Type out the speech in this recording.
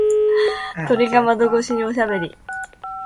鳥が窓越しにおしゃべり。